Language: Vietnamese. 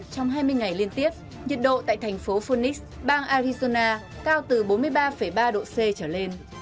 trong hai mươi ngày liên tiếp nhiệt độ tại thành phố funis bang arizona cao từ bốn mươi ba ba độ c trở lên